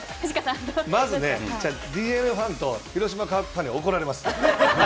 まずＤｅＮＡファンと広島カープファンに怒られます。